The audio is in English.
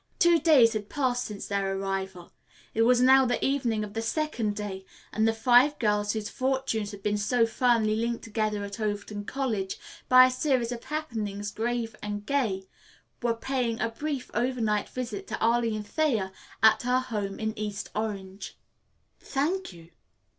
Two days had passed since their arrival. It was now the evening of the second day and the five girls whose fortunes had been so firmly linked together at Overton College, by a series of happenings grave and gay, were paying a brief, overnight visit to Arline Thayer at her home in East Orange. "Thank you."